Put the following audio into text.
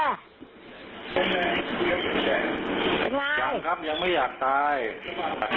ยังไม่อยากตาย